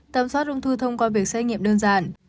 tầm soát ung thư thông qua việc xét nghiệm đơn giản